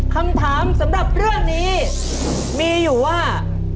คำถามสำหรับเรื่องนี้มีอยู่ว่า